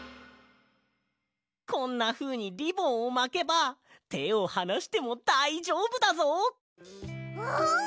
こんなふうにリボンをまけばてをはなしてもだいじょうぶだぞ。